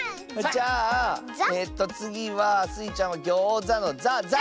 じゃあえっとつぎはスイちゃんは「ギョーザ」の「ざ」。